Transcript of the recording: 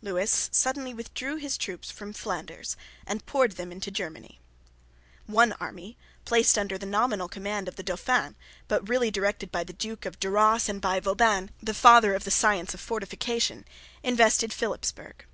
Lewis suddenly withdrew his troops from Flanders, and poured them into Germany. One army, placed under the nominal command of the Dauphin, but really directed by the Duke of Duras and by Vauban, the father of the science of fortification, invested Philipsburg.